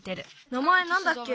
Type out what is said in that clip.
名まえなんだっけ？